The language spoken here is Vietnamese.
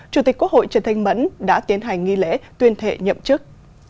chủ tịch quốc hội trần thanh mẫn đã tiến hành nghi lễ tuyên thệ nhậm chức